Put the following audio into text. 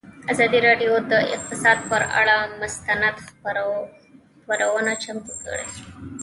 ازادي راډیو د اقتصاد پر اړه مستند خپرونه چمتو کړې.